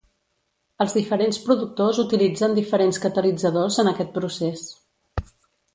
Els diferents productors utilitzen diferents catalitzadors en aquest procés.